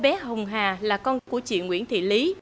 cô bé hùng hà là con của chị nguyễn thị lý